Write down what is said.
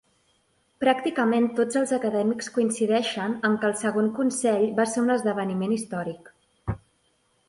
Pràcticament tots els acadèmics coincideixen en que el segon consell va ser un esdeveniment històric.